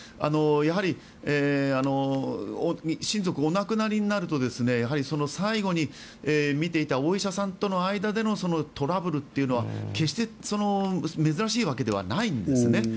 やはり親族がお亡くなりになるとやはりその最後に診ていたお医者さんとの間でのトラブルというのは決して珍しいわけではないんです。